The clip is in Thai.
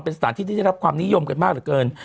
เป็นสถานที่ที่จะรับความนิยมกันมากเกิน